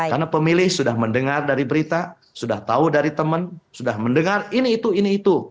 karena pemilih sudah mendengar dari berita sudah tahu dari teman sudah mendengar ini itu ini itu